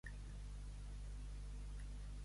Fer una mamada.